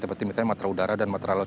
seperti misalnya matra udara dan matra laut